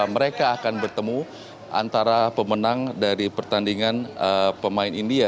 mereka akan bertemu antara pemenang dari pertandingan pemain india